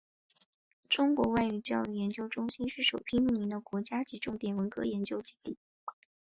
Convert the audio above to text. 中国外语教育研究中心是首批命名的国家级重点文科研究基地。